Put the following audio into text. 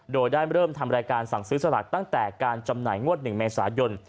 โดยได้เริ่มทำรายการสั่งซื้อสลากตั้งแต่การจำหน่ายงวด๑เมษายน